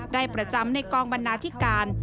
ได้ประจำในกองบรรณาธิการ